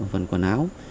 phần quần áo